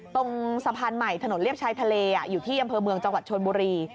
ตรงสะพานใหม่ถนนเลียบชายทะเลอยู่ที่อำเภอเมืองจังหวัดชนบุรี